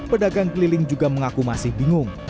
pedagang keliling juga mengaku masih bingung